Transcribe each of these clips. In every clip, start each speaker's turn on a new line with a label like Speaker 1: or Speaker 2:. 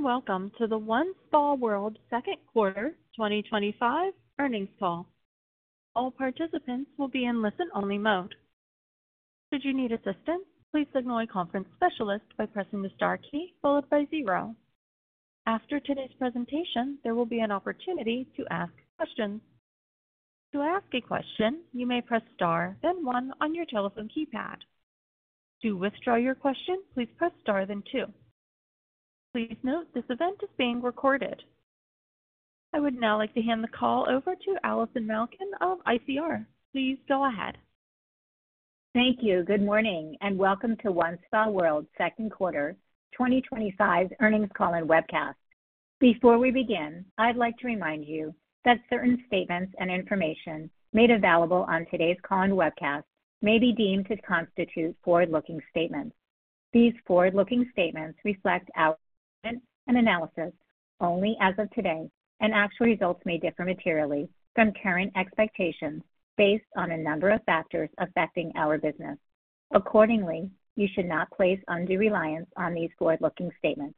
Speaker 1: Good day and welcome to the OneSpaWorld second quarter 2025 earnings call. All participants will be in listen-only mode. Should you need assistance, please signal a conference specialist by pressing the * key followed by 0. After today's presentation, there will be an opportunity to ask questions. To ask a question, you may press * then 1 on your telephone keypad. To withdraw your question, please press * then 2. Please note this event is being recorded. I would now like to hand the call over to Allison Malkin of ICR. Please go ahead.
Speaker 2: Thank you. Good morning and welcome to OneSpaWorld Second Quarter 2025 Earnings Call and Webcast. Before we begin, I'd like to remind you that certain statements and information made available on today's call and webcast may be deemed to constitute forward-looking statements. These forward-looking statements reflect our statements and analysis only as of today, and actual results may differ materially from current expectations based on a number of factors affecting our business. Accordingly, you should not place undue reliance on these forward-looking statements.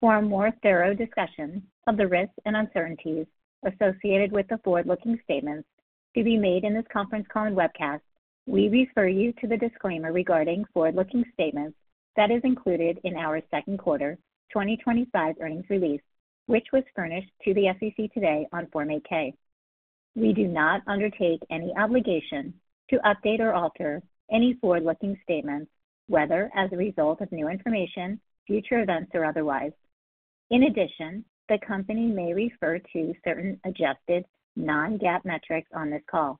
Speaker 2: For a more thorough discussion of the risks and uncertainties associated with the forward-looking statements to be made in this conference call and webcast, we refer you to the disclaimer regarding forward-looking statements that is included in our second quarter 2025 earnings release, which was furnished to the SEC today on Form 8-K. We do not undertake any obligation to update or alter any forward-looking statements, whether as a result of new information, future events, or otherwise. In addition, the company may refer to certain adjusted non-GAAP metrics on this call.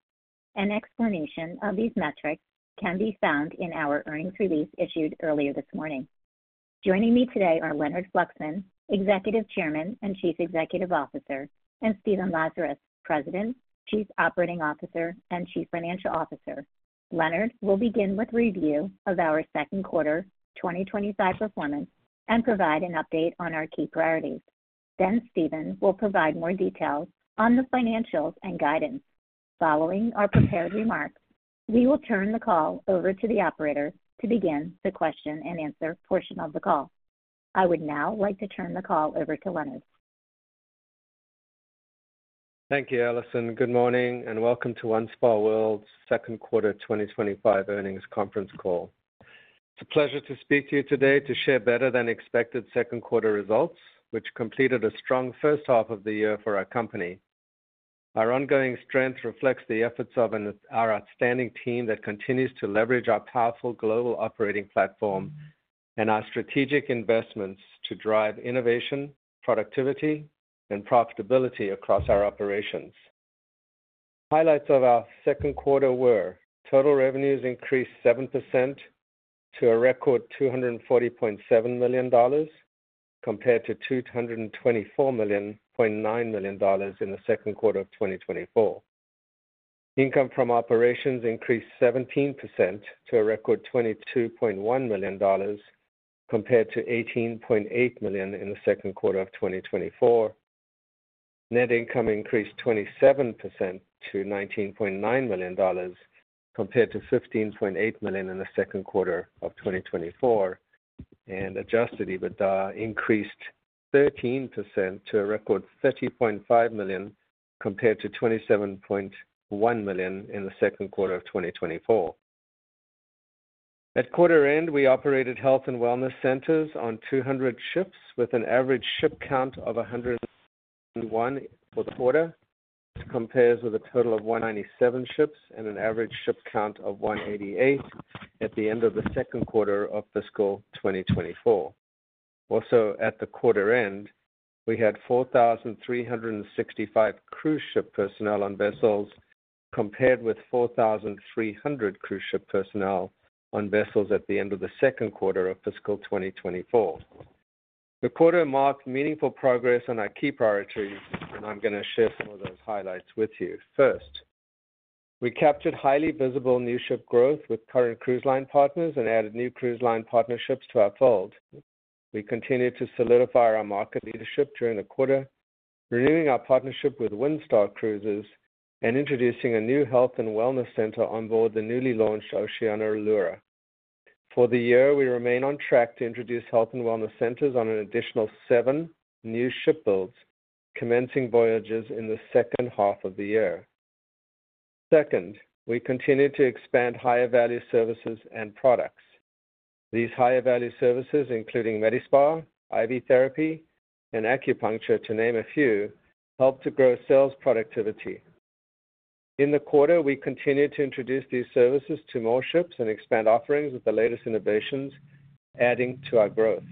Speaker 2: An explanation of these metrics can be found in our earnings release issued earlier this morning. Joining me today are Leonard Fluxman, Executive Chairman and Chief Executive Officer, and Stephen Lazarus, President, Chief Operating Officer, and Chief Financial Officer. Leonard will begin with review of our second quarter 2025 performance and provide an update on our key priorities. Then, Stephen will provide more details on the financials and guidance. Following our prepared remarks, we will turn the call over to the operator to begin the question and answer portion of the call. I would now like to turn the call over to Leonard.
Speaker 3: Thank you, Allison. Good morning and welcome to OneSpaWorld's Second Quarter 2025 Earnings Conference Call. It's a pleasure to speak to you today to share better-than-expected second quarter results, which completed a strong first half of the year for our company. Our ongoing strength reflects the efforts of our outstanding team that continues to leverage our powerful global operating platform and our strategic investments to drive innovation, productivity, and profitability across our operations. Highlights of our second quarter were total revenues increased 7% to a record $240.7 million compared to $224.9 million in the second quarter of 2024. Income from operations increased 17% to a record $22.1 million, compared to $18.8 million in the second quarter of 2024. Net income increased 27% to $19.9 million compared to $15.8 million in the second quarter of 2024, and adjusted EBITDA increased 13% to a record $30.5 million compared to $27.1 million in the second quarter of 2024. At quarter end, we operated health and wellness centers on 200 ships with an average ship count of for the quarter, compared with a total of 197 ships and an average ship count of 188 at the end of the second quarter of fiscal 2024. Also at the quarter end, we had 4,365 cruise ship personnel on vessels compared with 4,300 cruise ship personnel on vessels at the end of the second quarter of fiscal 2024. The quarter marked meaningful progress on our key priorities, and I'm going to share some of those highlights with you. First, we captured highly visible new ship growth with current cruise line partners and added new cruise line partnerships to our fold. We continue to solidify our market leadership during the quarter, renewing our partnership with Windstar Cruises and introducing a new health and wellness center on board the newly launched Oceania Allura. For the year, we remain on track to introduce health and wellness centers on an additional seven new ship builds, commencing voyages in the second-half of the year. Second, we continue to expand higher value services and products. These higher value services, including Medispa, IV Therapy, and Acupuncture, to name a few, help to grow sales productivity. In the quarter, we continued to introduce these services to more ships and expand offerings with the latest innovations, adding to our growth.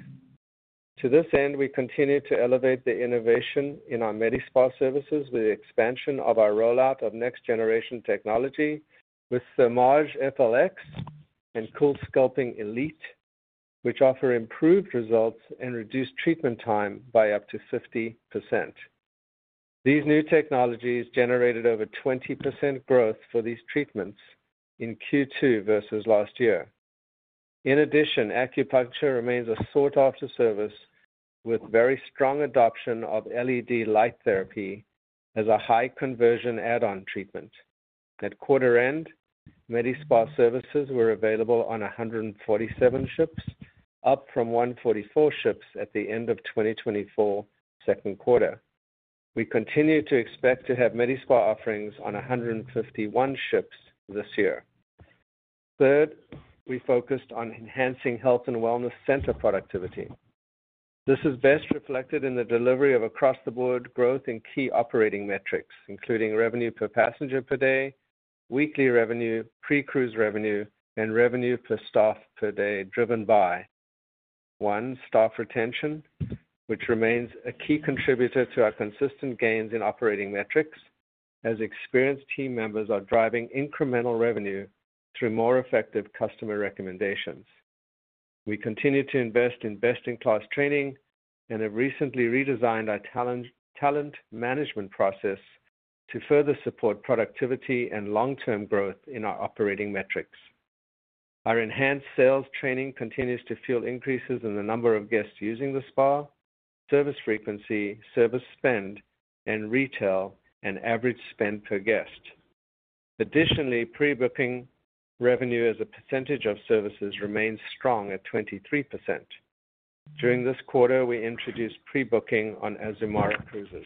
Speaker 3: To this end, we continue to elevate the innovation in our Medispa services with the expansion of our rollout of next generation technology with the thermage FLX and CoolSculpting Elite, which offer improved results and reduce treatment time by up to 50%. These new technologies generated over 20% growth for these treatments in Q2 versus last year. In addition, acupuncture remains a sought-after service with very strong adoption of LED light therapy as a high conversion add-on treatment. At quarter end, Medispa services were available on 147 ships, up from 144 ships at the end of 2024, second quarter. We continue to expect to have Medispa offerings on 151 ships this year. Third, we focused on enhancing health and wellness center productivity. This is best reflected in the delivery of across the board growth in key operating metrics including revenue per passenger per day, weekly revenue, pre-cruise revenue, and revenue per staff per day driven by one staff retention, which remains a key contributor to our consistent gains in operating metrics as experienced team members are driving incremental revenue through more effective customer recommendations. We continue to invest in best-in-class training and have recently redesigned our talent management process to further support productivity and long-term growth in our operating metrics. Our enhanced sales training continues to fuel increases in the number of guests using the spa, service frequency, service spend and retail and average spend per guest. Additionally, pre-booking revenue as a percentage of services remains strong at 23%. During this quarter we introduced pre-booking on Azamara Cruises.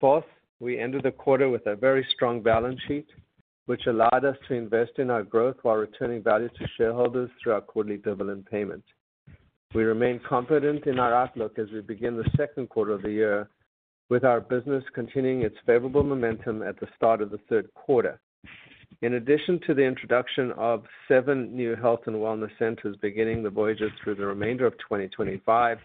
Speaker 3: Fourth, we ended the quarter with a very strong balance sheet which allowed us to invest in our growth while returning value to shareholders through our quarterly dividend payment. We remain confident in our outlook as we begin the second quarter of the year with our business continuing its favorable momentum at the start of the third quarter. In addition to the introduction of seven new health and wellness centers beginning the Voyager through the remainder of 2025,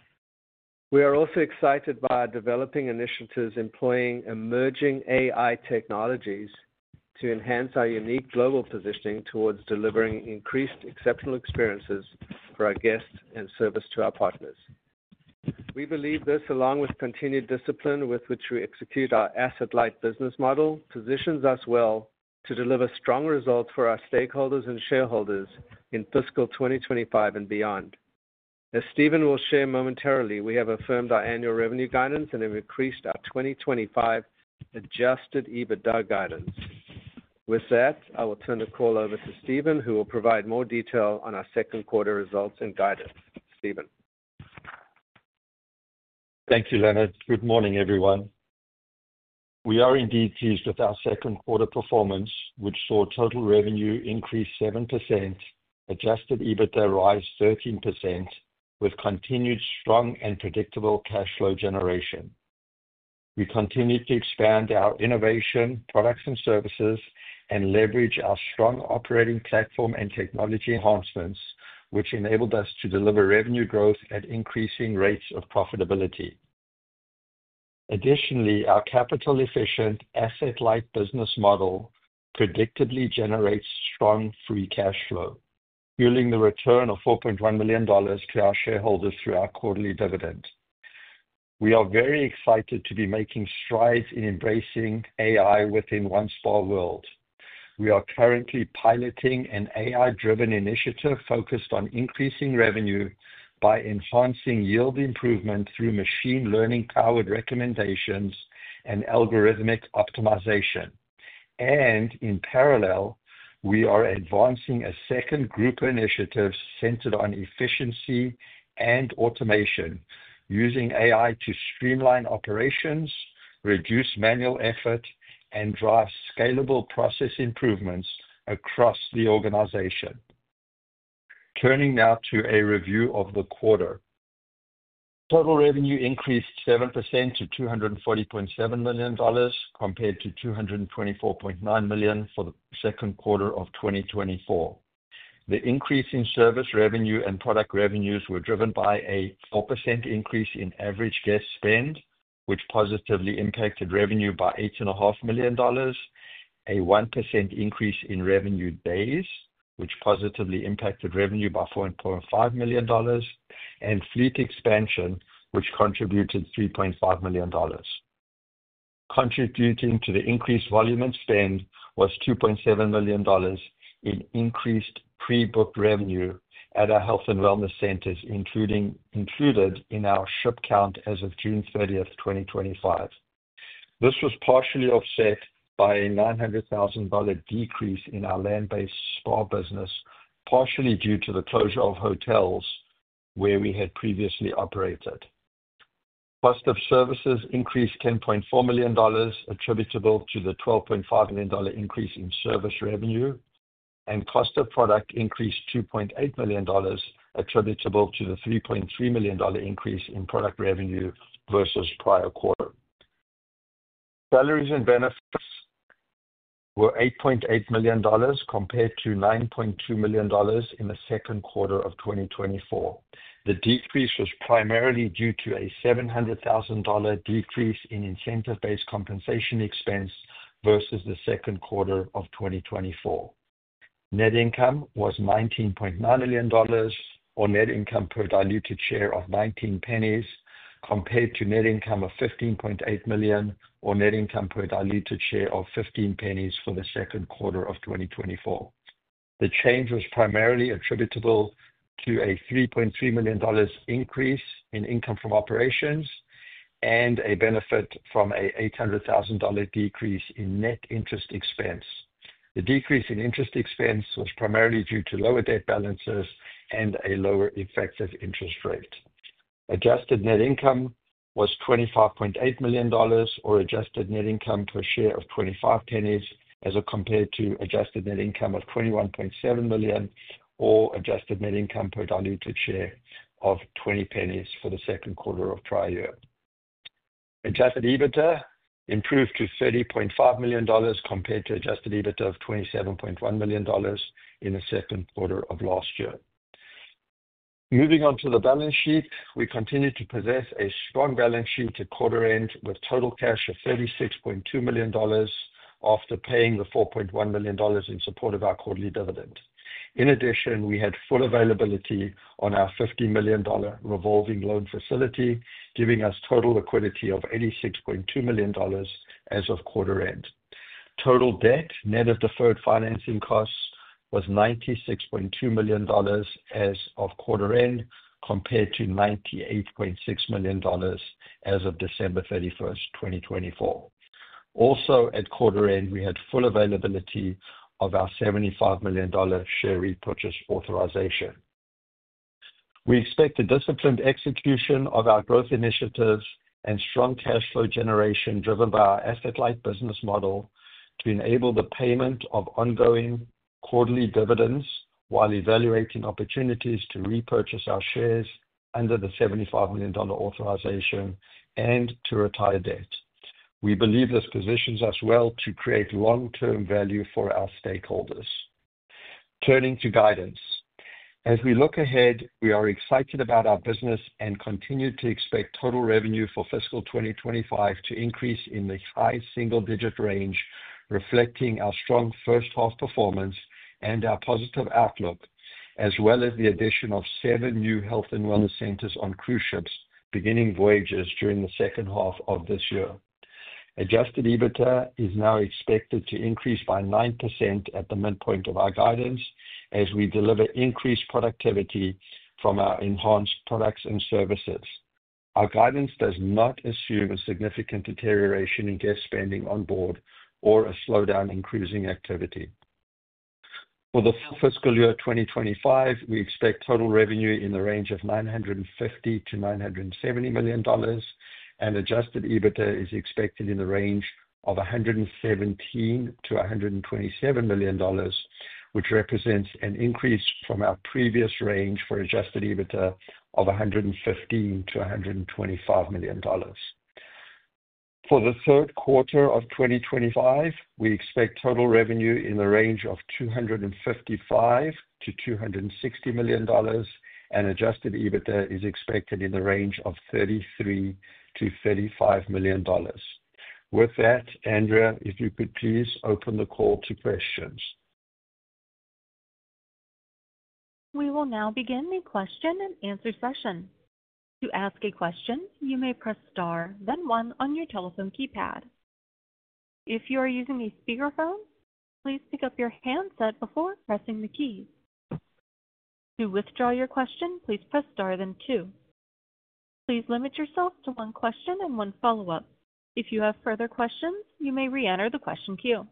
Speaker 3: we are also excited by our developing initiatives employing emerging AI technologies to enhance our unique global positioning towards delivering increased exceptional experiences for our guests and service to our partners. We believe this, along with continued discipline with which we execute our asset-light business model, positions us well to deliver strong results for our stakeholders and shareholders in fiscal 2025 and beyond. As Stephen will share momentarily, we have affirmed our annual revenue guidance and have increased our 2025 adjusted EBITDA guidance. With that, I will turn the call over to Stephen, who will provide more detail on our second quarter results and guidance. Stephen.
Speaker 4: Thank you, Leonard. Good morning, everyone. We are indeed pleased with our second quarter performance, which saw total revenue increase 7%, adjusted EBITDA rise 13%, with continued strong and predictable cash flow generation. We continue to expand our innovation, products, and services and leverage our strong operating platform and technology enhancements, which enabled us to deliver revenue growth at increasing rates of profitability. Additionally, our capital-efficient asset-light business model predictably generates strong free cash flow, fueling the return of $4.1 million to our shareholders through our quarterly dividend. We are very excited to be making strides in embracing AI within OneSpaWorld. We are currently piloting an AI-driven initiative focused on increasing revenue by enhancing yield improvement through machine learning-powered recommendations and algorithmic optimization. And in parallel, we are advancing a second group of initiatives centered on efficiency, capacity, and automation, using AI to streamline operations, reduce manual effort, and drive scalable process improvements across the organization. Turning now to a review of the quarter, total revenue increased 7% to $240.7 million compared to $224.9 million for the second quarter of 2024. The increase in service revenue and product revenues was driven by a 4% increase in average guest spend, which positively impacted revenue by $8.5 million, a 1% increase in revenue days, which positively impacted revenue by $4.5 million, and fleet expansion, which contributed $3.5 million. Contributing to the increased volume and spend was $2.7 million in increased product pre-booked revenue at our health and wellness centers, included in our ship count as of June 30, 2025. This was partially offset by a $900,000 decrease in our land-based spa business, partially due to the closure of hotels where we had previously operated. Cost of services increased $10.4 million, attributable to the $12.5 million increase in service revenue, and cost of product increased $2.8 million, attributable to the $3.3 million increase in product revenue versus prior quarter. Salaries and benefits were $8.8 million compared to $9.2 million in the second quarter of 2024. The decrease was primarily due to a $700,000 decrease in incentive-based compensation expense versus the second quarter of 2024. Net income was $19.9 million or net income per diluted share of $0.19 compared to net income of $15.8 million or net income per diluted share of $0.15 for the second quarter of 2024. The change was primarily attributable to a $3.3 million increase in income from operations and a benefit from a $800,000 decrease in net interest expense. The decrease in interest expense was primarily due to lower debt balances and a lower effective interest rate. Adjusted net income was $25.8 million or adjusted net income per share of $0.25 as compared to adjusted net income of $21.7 million or adjusted net income per diluted share of $0.20 for the second quarter of prior year. Adjusted EBITDA improved to $30.5 million compared to adjusted EBITDA of $27.1 million in the second quarter of last year. Moving on to the balance sheet, we continue to possess a strong balance sheet at quarter end with total cash of $36.2 million after paying the $4.1 million in support of our quarterly dividend. In addition, we had full availability on our $50 million revolving loan facility, giving us total liquidity of $86.2 million, as of quarter end. Total debt, net of deferred financing costs was $96.2 million as of quarter end compared to $98.6 million as of December 31, 2024. Also at quarter end, we had full availability of our $75 million share repurchase authorization. We expect a disciplined execution of our growth initiatives and strong cash flow generation driven by our asset-light business model to enable the payment of ongoing quarterly dividends while evaluating opportunities to repurchase our shares under the $75 million authorization and to retire debt. We believe this positions us well to create long term value for our stakeholders. Turning to guidance as we look ahead, we are excited about our business and continue to expect total revenue for fiscal 2025 in the high single digit range, reflecting our strong first half performance and our positive outlook, as well as the addition of seven new health and wellness centers on cruise ships beginning voyages during the second half of this year. Adjusted EBITDA is now expected to increase by 9% at the midpoint of our guidance as we deliver increased productivity from our enhanced products and services. Our guidance does not assume a significant deterioration in guest spending on board or a slowdown in cruising activity. For the full fiscal year 2025, we expect total revenue in the range of $950 to $970 million and adjusted EBITDA is expected in the range of $117 to $127 million, which represents an increase from our previous range for adjusted EBITDA of $115 to $125 million. For the third quarter of 2025, we expect total revenue in the range of $255 to $260 million and adjusted EBITDA is expected in the range of $33 to $35 million. With that, Andrea, if you could please open the call to questions.
Speaker 1: We will now begin the question and answer session. To ask a question, you may press *, then 1 on your telephone keypad. If you are using a speakerphone, please pick up your handset before pressing the key. To withdraw your question, please press *, then 2. Please limit yourself to one question and one follow-up. If you have further questions, you may re-enter the question queue.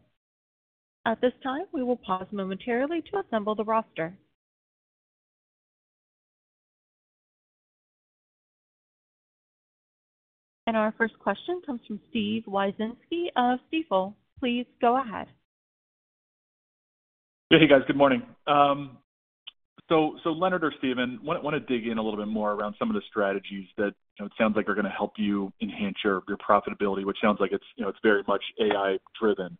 Speaker 1: At this time, we will pause momentarily to assemble the roster. And our first question comes from Steve Wieczynski of Stifel. Please go ahead.
Speaker 5: Hey guys, good morning. Leonard or Stephen, I want to dig in a little bit more around some of the strategies that it sounds like are going to help you enhance your profitability, which sounds like it's very much AI-driven.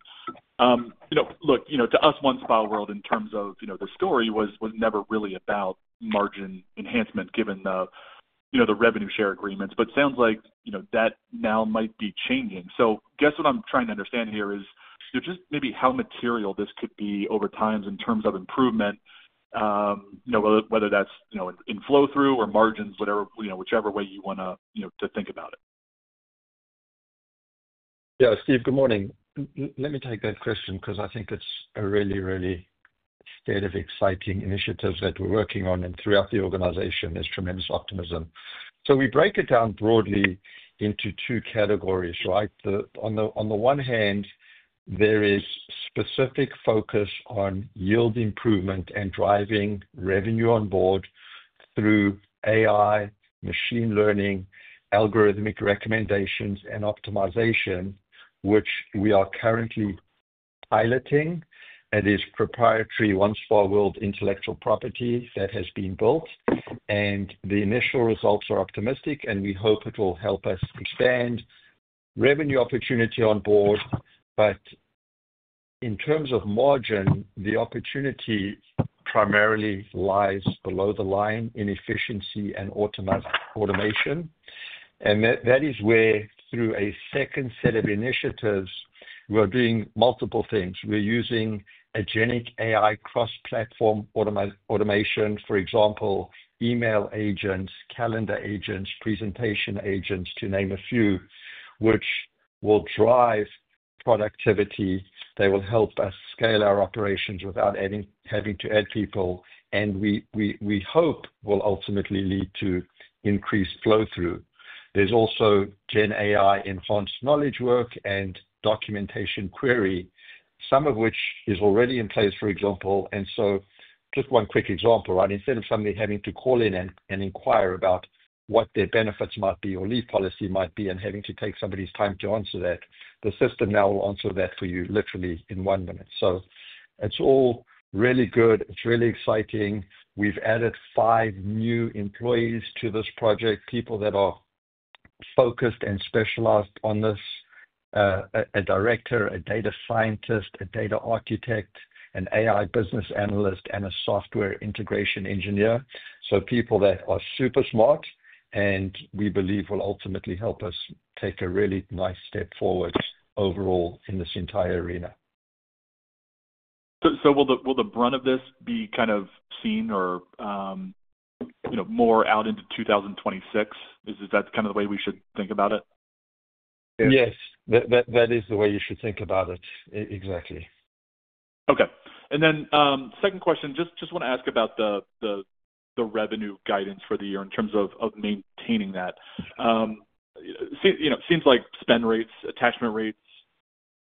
Speaker 5: You know, look, to us, OneSpaWorld in terms of the story was never really about margin enhancement, given the revenue share agreements, but it sounds like that now might be changing. So, I guess what I'm trying to understand here is just maybe how material this could be over time in terms of improvement, whether that's in flow through or margins, whichever way you want to think about it?
Speaker 4: Yeah. Steve, good morning. Let me take that question because I think it's a really, really state of exciting initiatives that we're working on, and throughout the organization there's tremendous optimism. We break it down broadly into two categories, right. On the one hand, there is specific focus on yield improvement and driving revenue on board through AI machine learning, algorithmic recommendations, and optimization which we are currently piloting. It is proprietary OneSpaWorld intellectual property that has been built and the initial results are optimistic and we hope it will help us expand revenue opportunity on board. But, in terms of margin, the opportunity primarily lies below the line in efficiency and automation. That is where through a second set of initiatives, we're doing multiple things. We're using agency AI, cross platform automation, for example, email agents, calendar agents, presentation agents, to name a few, which will drive productivity, they will help us scale our operations without having to add people and we hope will ultimately lead to increased flow through. There's also gen AI enhanced knowledge, work and documentation query, some of which is already in place, for example. Just one quick example, instead of somebody having to call in and inquire about what their benefits might be or leave policy might be and having to take somebody's time to answer that, the system now will answer that for you literally in one minute. It's all really good. It's really exciting. We've added five new employees to this project, people that are focused and specialized on this. A Director, a Data Scientist, a Data Architect, an AI Business Analyst, and a Software Integration Engineer. People that are super smart, and we believe will ultimately help us take a really nice step forward overall in this entire arena.
Speaker 5: Will the brunt of this be kind of seen or more out into 2026? Is that kind of the way we should think about it?
Speaker 4: Yes, that is the way you should think about it. Exactly.
Speaker 5: Okay. Second question, just want to ask about the revenue guidance for the year in terms of maintaining that. It seems like spend rates, attachment rates,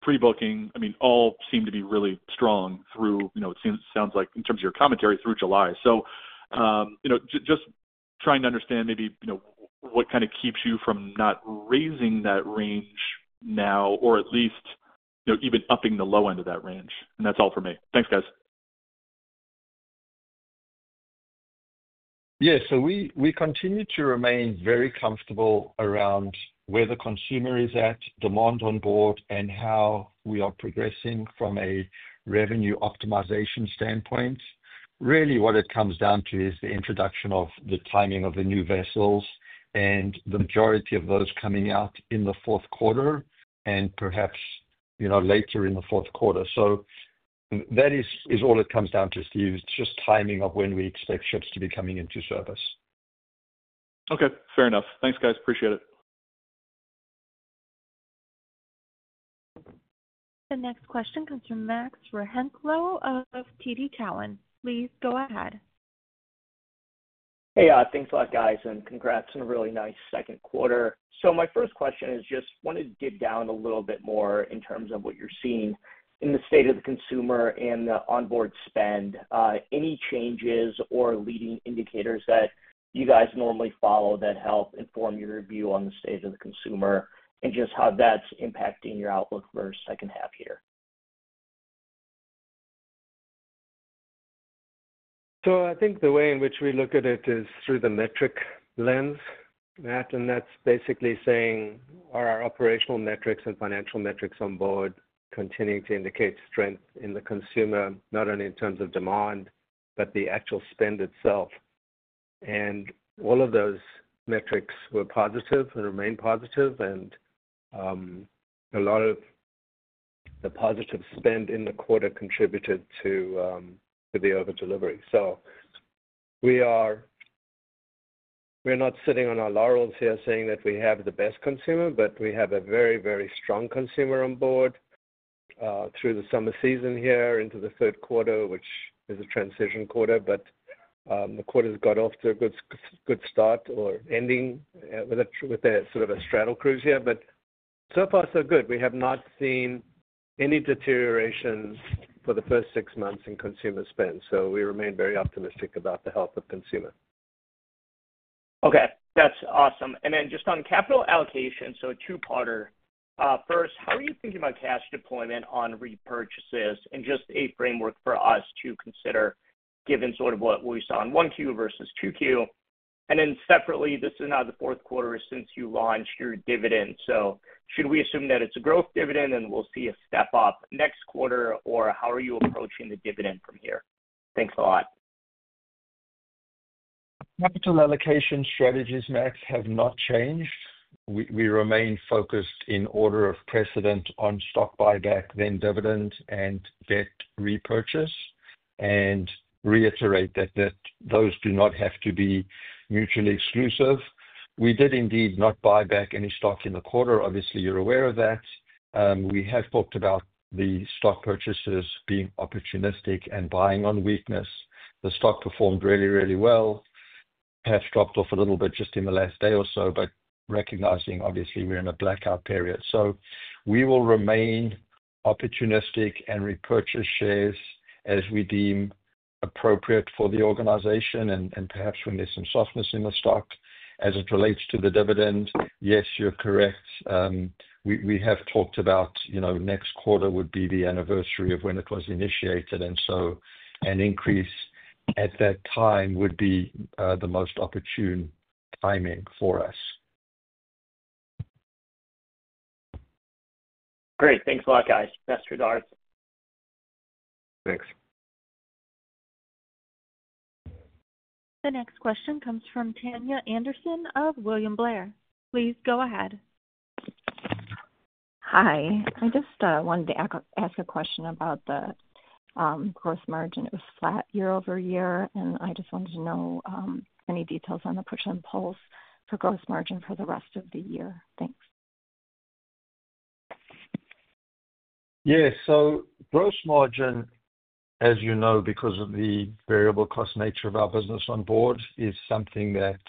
Speaker 5: pre-booking, all seem to be really strong, it sounds like in terms of your commentary through July. Just trying to understand maybe what kind of keeps you from not raising that range now or at least even upping the low end of that range? That's all for me. Thanks, guys.
Speaker 4: Yes, we continue to remain very comfortable around where the consumer is at demand on-board and how we are progressing from a revenue optimization standpoint. Really, what it comes down to is the introduction of the timing of the new vessels and the majority of those coming out in the fourth quarter and perhaps later in the fourth quarter. That is all it comes down to, Steve. It's just timing of when we expect ships to be coming into service.
Speaker 5: Okay, fair enough. Thanks, guys. Appreciate it.
Speaker 1: The next question comes from Max Rakhlenko of TD Cowen. Please go ahead.
Speaker 6: Thanks a lot, guys, and congrats on a really nice second quarter. My first question is, I just want to dig down a little bit more in terms of what you're seeing in the state of the consumer and the onboard spend. Any changes or leading indicators that you guys normally follow that help inform your view on the state of the consumer and just how that's impacting your outlook for the second half here?
Speaker 3: I think the way in which we look at it is through the metric lens, and that's basically saying are our operational metrics and financial metrics on board continuing to indicate strength in the consumer not only in terms of demand, but the actual spend itself. All of those metrics were positive and remain positive, and a lot of the positive spend in the quarter contributed to the over delivery. We are not sitting on our laurels here saying that we have the best consumer, but we have a very, very strong consumer on board through the summer season here into the third quarter, which is a transition quarter. The quarter got off to a good start or ending with a sort of a straddle cruise here. So far so good. We have not seen any deterioration for the first six months in consumer spend. We remain very optimistic about the health of consumer.
Speaker 6: Okay, that's awesome. Just on capital allocation, a two-parter: first, how are you thinking about cash deployment on repurchases and just a framework for us to consider, given sort of what we saw in 1Q versus 2Q? Separately, this is now the fourth quarter since you launched your dividend. Should we assume that it's a growth dividend and we'll see a step up next quarter, or how are you approaching the dividend from here? Thanks a lot.
Speaker 4: Capital allocation strategies, Max, have not changed. We remain focused in order of precedent on stock buyback, then dividend and debt repurchase, and reiterate that those do not have to be mutually exclusive. We did indeed not buy back any stock in the quarter. Obviously, you're aware of that. We have talked about the stock purchases being opportunistic and buying on weakness. The stock performed really, really well, perhaps dropped off a little bit just in the last day or so, but recognizing obviously we're in a blackout period. We will remain opportunistic and repurchase shares as we deem appropriate for the organization and perhaps when there's some softness in the stock, as it relates to the dividend. Yes, you're correct. We have talked about, you know, next quarter would be the anniversary of when it was initiated, and so increase at that time would be the most opportune timing for us.
Speaker 6: Great. Thanks a lot, guys. Best regards.
Speaker 3: Thanks.
Speaker 1: The next question comes from Tanya Anderson of William Blair. Please go ahead.
Speaker 7: Hi. I just wanted to ask a question about the gross margin. It was flat year over year. I just wanted to know any details on the push and pulls for gross. Margin for the rest of the year. Thanks.
Speaker 4: Yes. Gross margin, as you know, because of the variable cost nature of our business on board, is something that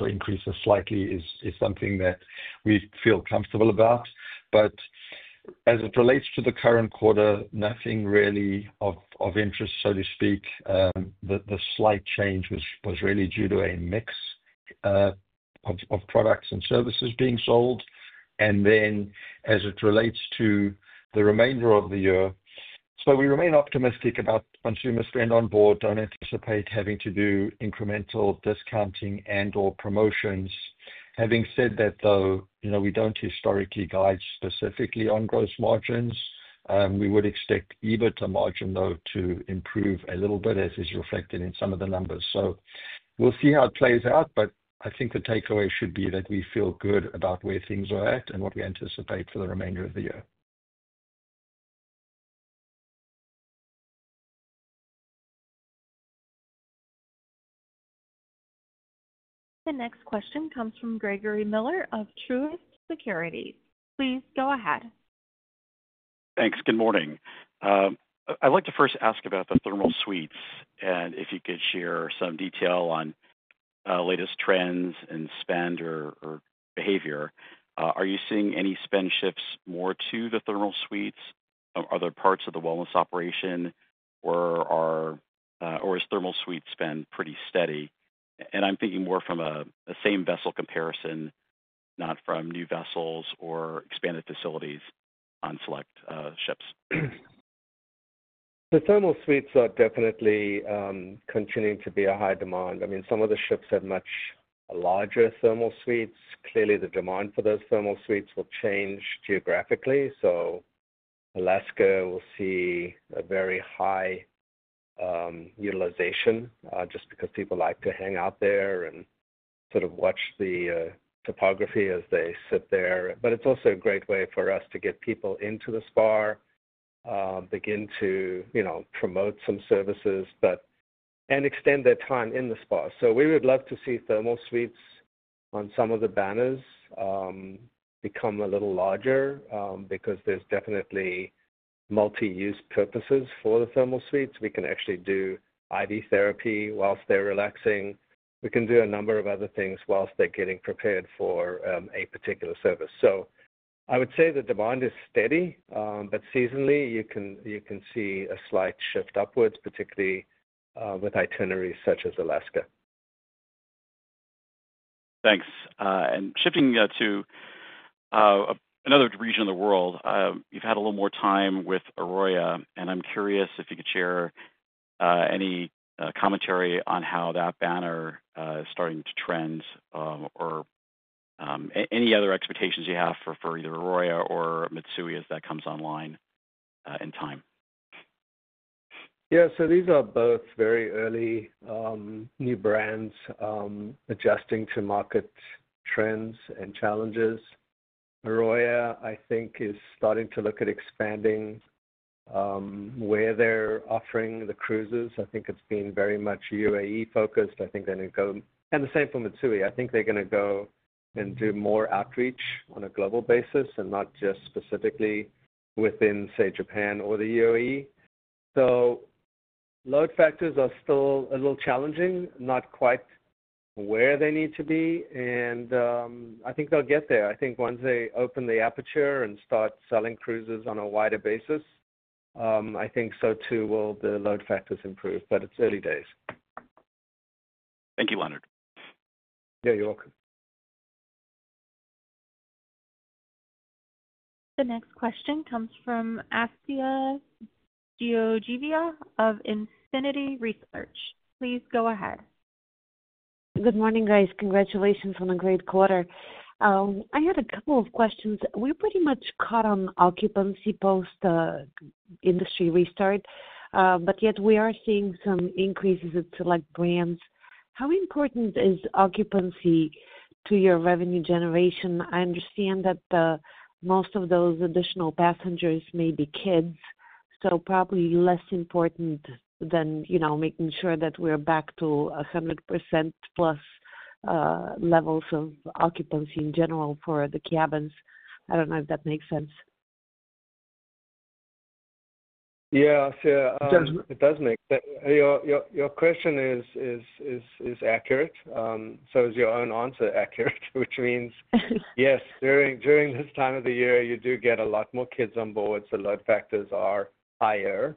Speaker 4: increases slightly, is something that we feel comfortable about. As it relates to the current quarter, nothing really of interest, so to speak. The slight change was really due to a mix of products and services being sold and then as it relates to the remainder of the year. We remain optimistic about consumer spend on board. Don't anticipate having to do incremental discounting and or promotions. Having said that, though, we don't historically guide specifically on gross margins. We would expect EBITDA to margin, though, to improve a little bit as is reflected in some of the numbers, so we'll see how it plays out. I think the takeaway should be that we feel good about where things are at and what we anticipate for the remainder of the year.
Speaker 1: The next question comes from Gregory Miller of Truist Securities. Please go ahead.
Speaker 8: Thanks. Good morning. I'd like to first ask about the thermal suites, and if you could share some detail on latest trends and spend or behavior. Are you seeing any spend shifts more to the thermal suites, other parts of the wellness operation, or is thermal suite spend pretty steady? I'm thinking more from a same vessel comparison, not from new vessels or expanded facilities on select ships. Thanks.
Speaker 3: The thermal suites are definitely continuing to be a high demand. I mean, some of the ships have much larger thermal suites. Clearly, the demand for those thermal suites will change geographically. Alaska will see a very high utilization just because people like to hang out there and sort of watch the topography as they sit there. It's also a great way for us to get people into the spa, begin to promote some services, and extend their time in the spa. We would love to see thermal suites on some of the banners become a little larger because there's definitely multi use purposes for the thermal suites. We can actually do IV Therapy whilst they're relaxing. We can do a number of other things whilst they're getting prepared for a particular service. I would say the demand is steady, but seasonally you can see a slight shift upwards, particularly with itineraries such as Alaska.
Speaker 8: Thanks. Shifting to another region of the world, you've had a little more time with AROYA and I'm curious if you could share any commentary on how that banner is starting to trend or any other expectations you have for either AROYA or Mitsui as that comes online in time.
Speaker 3: Yeah. These are both very early new brands adjusting to market trends and challenges. AROYA, I think, is starting to look at expanding where they're offering the cruises. I think it's been very much UAE focused. I think they need to go, and the same for Mitsui. I think they're going to go and do more outreach on a global basis and not just specifically within, say, Japan or the UAE. Load factors are still a little challenging, not quite where they need to be. I think they'll get there. I think once they open the aperture and start selling cruises on a wider basis, I think so too. Will the load factors improve, but It's early days.
Speaker 8: Thank you, Leonard.
Speaker 3: Yeah, you're welcome.
Speaker 1: The next question comes from Assia Georgieva of Infinity Research. Please go ahead.
Speaker 9: Good morning, guys. Congratulations on a great quarter. I had a couple of questions. We're pretty much caught on occupancy post industry restart, but yet we are seeing some increases in select brands. How important is occupancy to your revenue generation? I understand that most of those additional passengers may be kids, so probably less important than making sure that we're back to 100%+ levels of occupancy in general for the cabins. I don't know if that makes sense.
Speaker 3: Yeah, it does make sense. Your question is accurate. Is your own answer accurate? Which means yes, during this time of the year you do get a lot more kids on board. Load factors are higher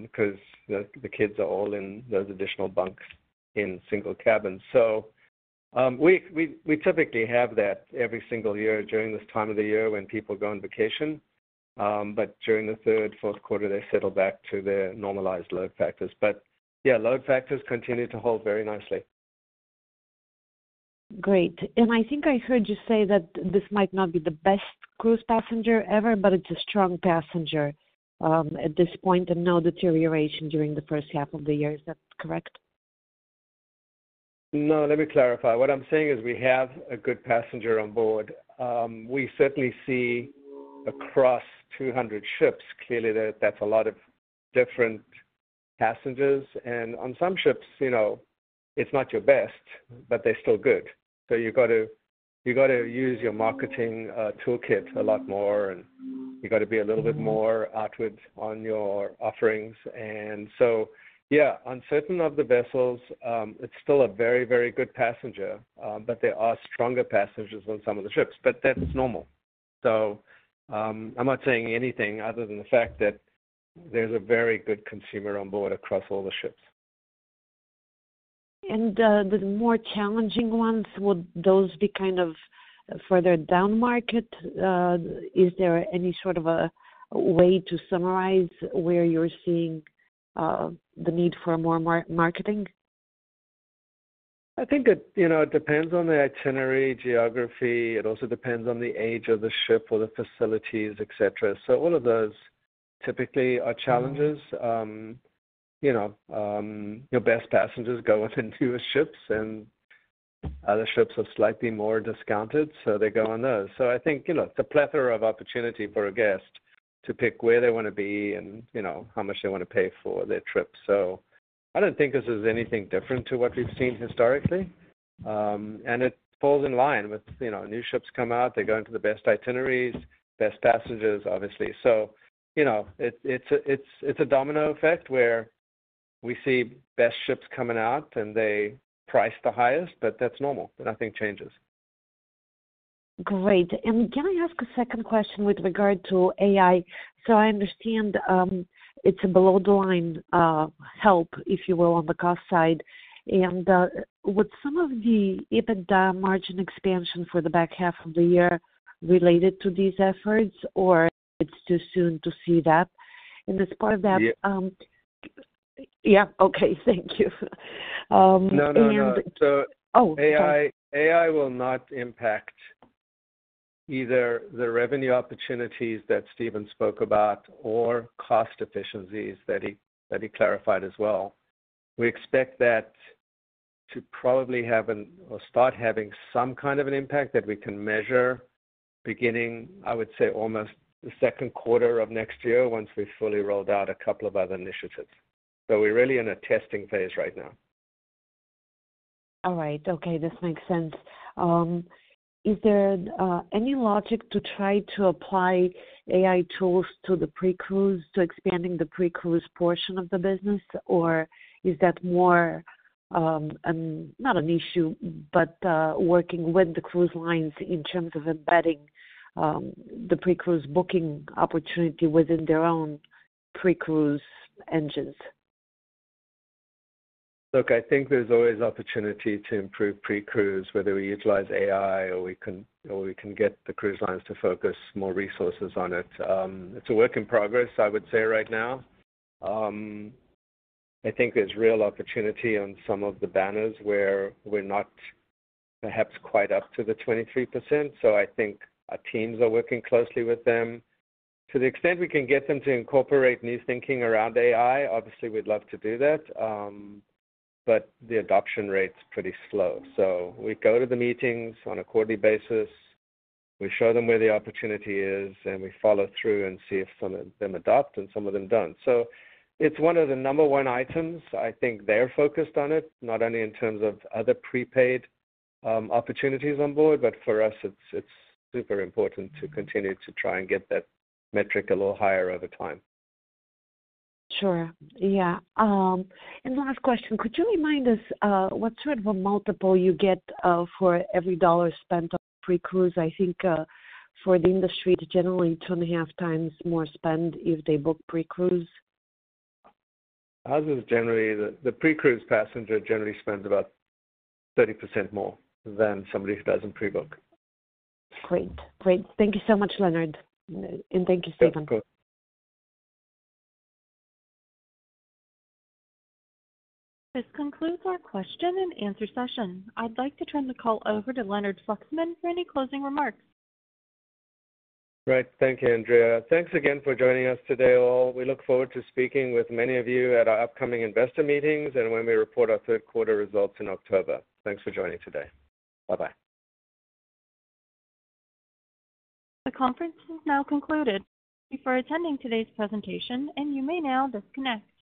Speaker 3: because the kids are all in those additional bunks in single cabins. We typically have that every single year during this time of the year when people go on vacation. During the third, fourth quarter, they settle back to their normalized load factors. Load factors continue to hold very nicely.
Speaker 9: Great, and I think I heard you say that this might not be the best cruise passenger ever, but it's a strong passenger at this point, and no deterioration during the first half of the year, is that correct?
Speaker 3: Let me clarify. What I'm saying is we have a good passenger on board. We certainly see across 200 ships. Clearly, that's a lot of different passengers. On some ships, it's not your best, but they're still good. You have to use your marketing toolkit a lot more, and you have to be a little bit more outward on your offerings. On certain of the vessels, it's still a very, very good passenger, but there are stronger passengers on some of the ships. That's normal. I'm not saying anything other than the fact that there's a very good consumer on-board across all the ships.
Speaker 9: Are the more challenging ones kind of further down-market? Is there any sort of a way to summarize where you're seeing the need for more marketing?
Speaker 3: I think it depends on the itinerary, geography, it also depends on the age of the ship or the facilities, etc. All of those typically are challenges. Your best passengers go within fewer ships and other ships are slightly more discounted, so they go on those. I think it's a plethora of opportunity for a guest to pick where they want to be and how much they want to pay for their trip. I don't think this is anything different to what we've seen historically. It falls in line with new ships come out, they go into the best itineraries, best passengers, obviously. It's a domino effect where we see best ships coming out and they price the highest, but that's normal, nothing changes.
Speaker 9: Great. Can I ask a second question with regard to AI? I understand it's a below the line help, if you will, on the cost side with some of the EBITDA margin expansion for the back half of the year, related to these efforts, or it's too soon to see that? And, as part of that.
Speaker 3: Yeah.
Speaker 9: Okay, thank you.
Speaker 3: AI will not impact either the revenue opportunities that Stephen spoke about or cost efficiencies that he clarified as well. We expect that to probably have or start having some kind of an impact that we can measure beginning, I would say, almost the second quarter of next year once we fully rolled out a couple of other initiatives. We are really in a testing phase right now.
Speaker 9: All right. Okay, this makes sense. Is there any logic to try to apply AI tools to the pre-cruise, to expanding the pre-cruise portion of the business, or is that more, not an issue, but working with the cruise lines in terms of embedding the pre-cruise booking opportunity within their own pre-cruise engines?
Speaker 3: Look, I think there's always opportunity to improve pre-cruise whether we utilize AI or we can get the cruise lines to focus more resources on it. It's a work in progress, I would say right now. I think there's real opportunity on some of the banners where we're not perhaps quite up to the 23%. I think our teams are working closely with them to the extent we can get them to incorporate new thinking around AI. Obviously we'd love to do that, but the adoption rate is pretty slow. We go to the meetings on a quarterly basis, we show them where the opportunity is, and we follow through and see if some of them adopt and some of them don't. It's one of the number one items. I think they're focused on it not only in terms of other prepaid opportunities on board, but for us it's super important to continue to try and get that metric a little higher over time.
Speaker 9: Sure, yeah. Last question. Could you remind us what sort of a multiple you get for every dollar spent on pre-cruise? I think for the industry, generally 2.5 times more spend if they book pre-cruise.
Speaker 3: The pre-cruise passenger generally spends about 30% more than somebody who does in pre-book.
Speaker 9: Great, great. Thank you so much, Leonard. Thank you, Stephen.
Speaker 1: This concludes our question and answer session. I'd like to turn the call over to Leonard Fluxman for any closing remarks.
Speaker 3: Thank you, Andrea. Thanks again for joining us today, all. We look forward to speaking with many of you at our upcoming investor meetings and when we report our third quarter results in October. Thanks for joining today. Bye. Bye.
Speaker 1: The conference has now concluded. Thank you for attending today's presentation. You may now disconnect.